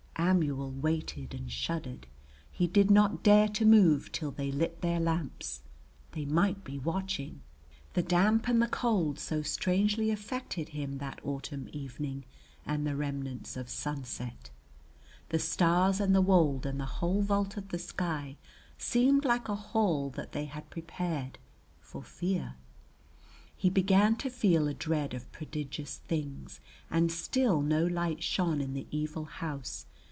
Amuel waited and shuddered. He did not dare to move till they lit their lamps, they might be watching. The damp and the cold so strangely affected him that autumn evening and the remnants of sunset, the stars and the wold and the whole vault of the sky seemed like a hall that they had prepared for Fear. He began to feel a dread of prodigious things, and still no light shone in the evil house.